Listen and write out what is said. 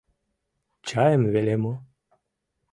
Чайым веле мо?